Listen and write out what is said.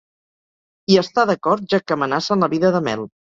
Hi està d'acord, ja que amenacen la vida de Mel.